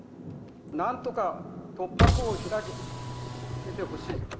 なんとか突破口を開いてほしい。